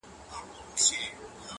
خو هر ګوره یو د بل په ځان بلا وه -